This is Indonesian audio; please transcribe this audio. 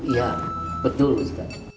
iya betul ustaz